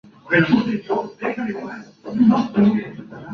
Ciencia o sabiduría.